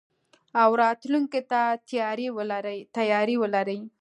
او راتلونکي ته تياری ولري.